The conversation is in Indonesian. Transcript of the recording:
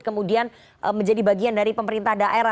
kemudian menjadi bagian dari pemerintah daerah